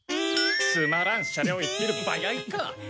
つまらんシャレを言ってるバヤイか。